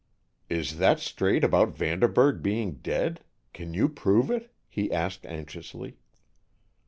"Is that straight about Vanderburg being dead? Can you prove it?" he asked anxiously.